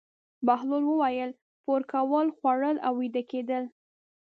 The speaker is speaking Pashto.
بهلول وویل: پور کول، خوړل او ویده کېدل.